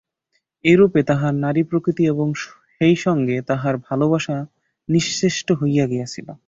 এইরূপে তাহার নারীপ্রকৃতি এবং সেইসঙ্গে তাহার ভালোবাসা নিশ্চেষ্ট হইয়া গিয়াছিল।